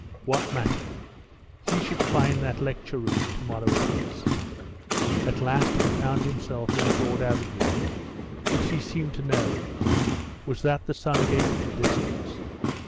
What matter? He should find that lecture room to morrow at least. At last he found himself in a broad avenue, which he seemed to know. Was that the Sun gate in the distance?